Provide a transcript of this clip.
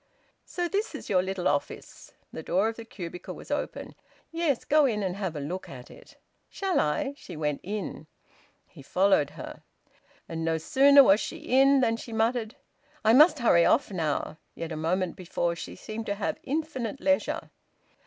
So this is your little office!" The door of the cubicle was open. "Yes, go in and have a look at it." "Shall I?" She went in. He followed her. And no sooner was she in than she muttered, "I must hurry off now." Yet a moment before she seemed to have infinite leisure.